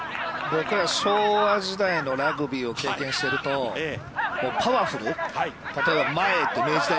◆僕ら昭和時代のラグビーを経験していると、パワフル、例えば前。